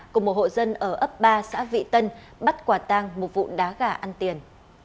cùng một hộ dân ở ấp ba xã vị tân bắt quả tang một vụ đá gà ăn tiền